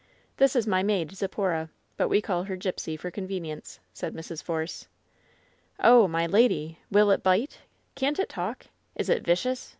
"This is my maid, Zipporah, but we call her Gipsy for convenience,'' said Mrs. Force. "Oh, my lady! Will it bite? Can't it talk? Is it vicious?"